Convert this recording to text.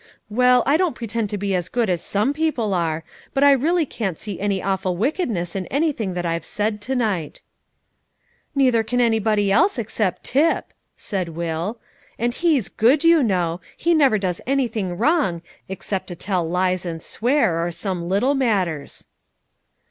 "Well, I don't pretend to be as good as some people are, but I really can't see any awful wickedness in anything that I've said to night." "Neither can anybody else, except Tip," said Will, "and he's good, you know; he never does anything wrong, except to tell lies and swear, or some little matters."